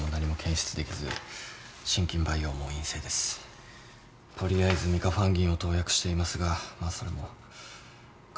取りあえずミカファンギンを投薬していますがまあそれも肝臓に負担をかけるので。